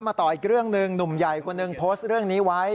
ต่ออีกเรื่องหนึ่งหนุ่มใหญ่คนหนึ่งโพสต์เรื่องนี้ไว้